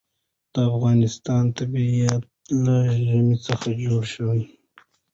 د افغانستان طبیعت له ژمی څخه جوړ شوی دی.